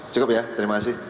cukup ya terima kasih